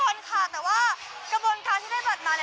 คนค่ะแต่ว่ากระบวนการที่ได้บัตรมาเนี่ย